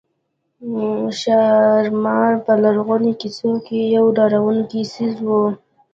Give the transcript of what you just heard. ښامار په لرغونو قصو کې یو ډارونکی څېز وو